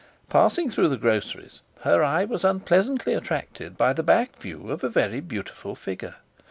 Passing through the Groceries her eye was unpleasantly attracted by the back view of a very beautiful figure.